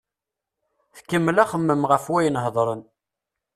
Tkemmel axemmem ɣef wayen hedren.